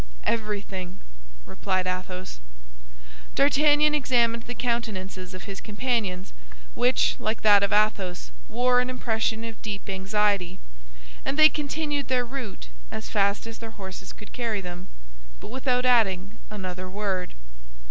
"Everything!" replied Athos. D'Artagnan examined the countenances of his companions, which, like that of Athos, wore an impression of deep anxiety; and they continued their route as fast as their horses could carry them, but without adding another word.